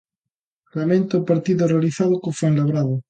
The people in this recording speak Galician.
Lamenta o partido realizado co Fuenlabrada.